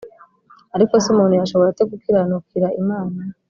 ariko se umuntu yashobora ate gukiranukira imana’